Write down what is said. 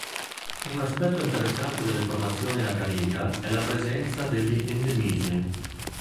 Un aspetto interessante delle formazioni a gariga è la presenza degli endemismi.